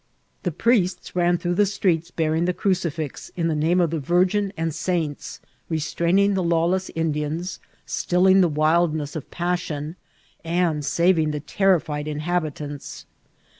The priests ran through the streets bearing the crucifix, in the name of the Vir gin and saints restraining the lawless Indians, stilling die wildness of passion, and saving the terrified inhab itants.